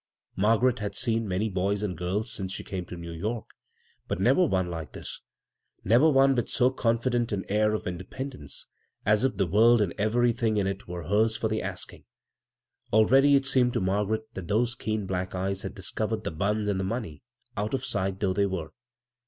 Margaret had seen many boys and giiis since she came to New York, but never one like this — never one with so confident an air of independence, as if the world and everything in it were hers for the asking. Already it seemed to Margaret that those keen black eyes had discovered the buns and the money, out of sight though they were.